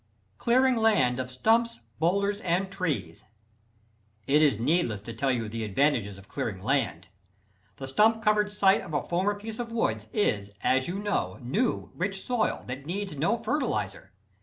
= Clearing Land of Stumps, Boulders and Trees. It is needless to tell you the advantages of clearing land. The stump covered site of a former piece of woods, is, as you know, new, rich soil that needs no fertilizer.